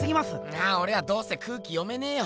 ああおれはどうせ空気読めねぇよ。